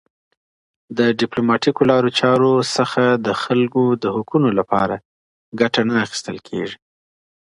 د ډیپلوماټیکو لارو چارو نه د خلګو د حقونو لپاره ګټه نه اخیستل کیږي.